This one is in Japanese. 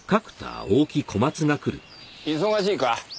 忙しいか？